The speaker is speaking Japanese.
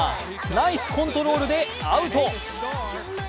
ナイスコントロールでアウト。